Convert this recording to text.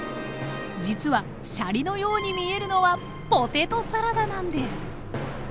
実はシャリのように見えるのはポテトサラダなんです。